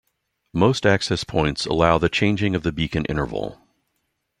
Most access points allow the changing of the beacon interval.